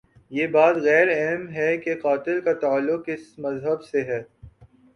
یہ بات غیر اہم ہے کہ قاتل کا تعلق کس مذہب سے ہے۔